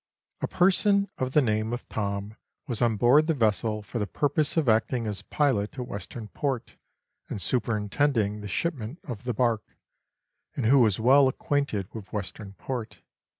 A person of the name of Thorn was on board the vessel, for the purpose of acting as pilot at Western Port and superintending the shipment of the bark, and who was well acquainted with Western Port.